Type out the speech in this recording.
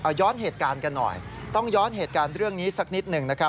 เอาย้อนเหตุการณ์กันหน่อยต้องย้อนเหตุการณ์เรื่องนี้สักนิดหนึ่งนะครับ